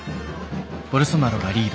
ボルソナロがリード。